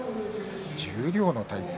十両の対戦。